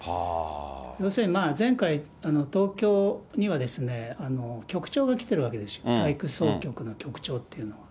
要するに、前回、東京には、局長が来てるわけですよ、体育総局の局長っていうのが。